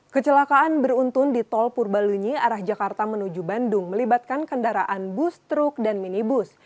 kecelakaan beruntun di tol purbalunyi arah jakarta menuju bandung melibatkan kendaraan bus truk dan minibus